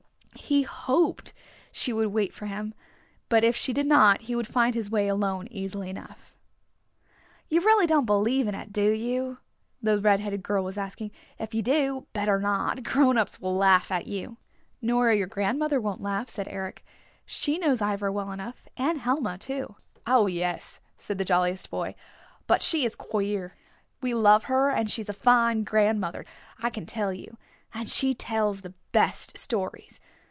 He hoped she would wait for him, but if she did not he would find his way alone easily enough. "You don't really believe in it, do you?" the red headed girl was asking. "If you do, better not. Grown ups will laugh at you." "Nora, your grandmother, won't laugh," said Eric. "She knows Ivra well enough, and Helma, too." "Oh, yes," said the jolliest boy. "But she is queer. We love her, and she's a fine grandmother, I can tell you. And she tells the best stories.